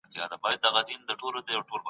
په پخواني ادب کې له کومو علومو ګټه اخیستل کیږي؟